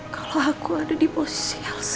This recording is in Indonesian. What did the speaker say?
kalau aku ada di posisi